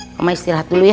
kamu istirahat dulu ya